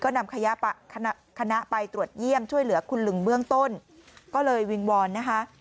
นำคณะไปตรวจเยี่ยมช่วยเหลือคุณลุงเบื้องต้นก็เลยวิงวอนนะคะ